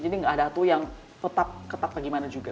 jadi nggak ada yang tetap ketap bagaimana juga